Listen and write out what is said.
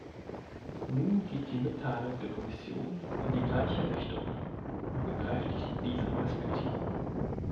Nun geht die Mitteilung der Kommission in die gleiche Richtung und bekräftigt diese Perspektive.